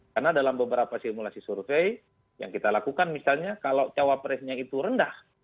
karena dalam beberapa simulasi survei yang kita lakukan misalnya kalau cawapresnya itu rendah